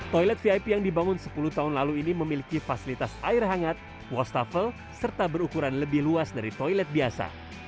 toilet vip yang dibangun sepuluh tahun lalu ini memiliki fasilitas air hangat wastafel serta berukuran lebih luas dari toilet biasa